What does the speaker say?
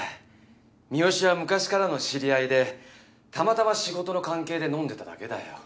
三好は昔からの知り合いでたまたま仕事の関係で飲んでただけだよ。